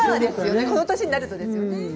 この年になればですよね。